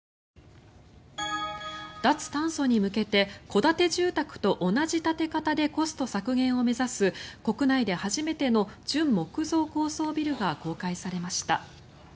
脱炭素に向けて戸建て住宅と同じ建て方でコスト削減を目指す国内で初めての純木造高層ビルが公開されました。